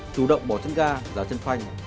chủ động bỏ chân gà giá chân phanh